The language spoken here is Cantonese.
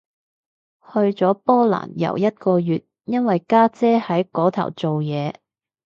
去咗波蘭遊一個月，因為家姐喺嗰頭做嘢